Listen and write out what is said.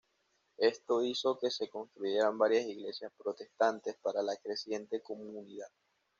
Esto hizo que se construyeran varias iglesias protestantes para la creciente comunidad.